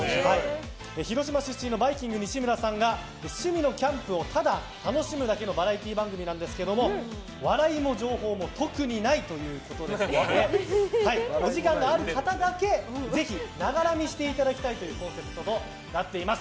広島出身のバイきんぐ西村さんが趣味のキャンプをただ楽しむだけのバラエティー番組なんですが笑いも情報も特にないということですのでお時間のある方だけ、ぜひながら見していただきたいというコンセプトとなっています。